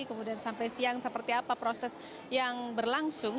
kemudian sampai siang seperti apa proses yang berlangsung